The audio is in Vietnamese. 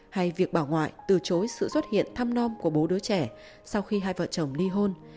hay việc bỏ ngoại từ chối sự xuất hiện thăm non của bố đứa trẻ sau khi hai vợ chồng ly hôn